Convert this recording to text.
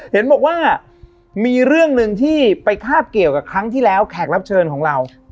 เห็นบอกว่ามีเรื่องหนึ่งที่ไปคาบเกี่ยวกับครั้งที่แล้วแขกรับเชิญของเรา